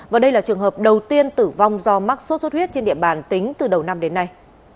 và đây là trường hợp đầu tiên tử vong do mắc sốt xuất huyết trên địa bàn tính từ đầu năm đến nay